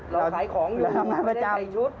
เราขายของอยู่ไม่ได้เขลิกในชุด